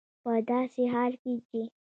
په داسې حال کې چې